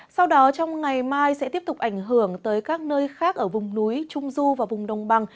sau đó trong ngày mai sẽ tiếp tục ảnh hưởng tới các nơi khác ở vùng núi trung du và vùng đồng bằng